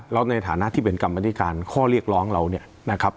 แล้วในฐานะที่เป็นกรรมธิการข้อเรียกร้องเราเนี่ยนะครับ